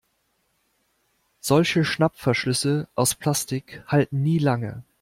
Solche Schnappverschlüsse aus Plastik halten nie lange.